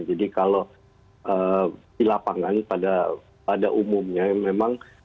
jadi kalau di lapangan pada umumnya memang